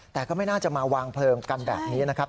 แต่ก็ไม่น่าจะมาวางเพลิงกันแบบนี้นะครับ